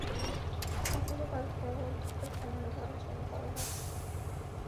একাদশ অধ্যায়ে বুদ্ধত্ব সম্বন্ধে আলোচনা করা হয়েছে।